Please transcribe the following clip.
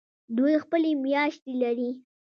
دوی خپلې میاشتې لري.